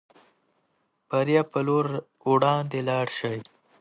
د بریا په لور وړاندې لاړ شئ.